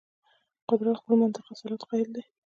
قدرت خپل منطق اصالت قایل دی.